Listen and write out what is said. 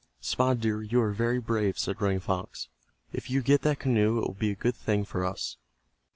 "Spotted Deer, you are very brave," said Running Fox. "If you get that canoe it will be a good thing for us.